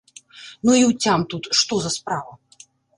Ну й уцям тут, што за справа.